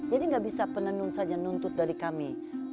jadi tidak bisa penendun saja nuntut dari kami